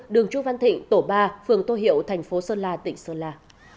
đường trung văn thịnh tổ ba phường tô hiệu tp sơn la tỉnh sơn la